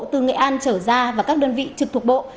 từ nghệ an trở ra và các đơn vị trực thuộc bộ